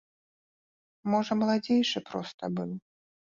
Можа, маладзейшы проста быў.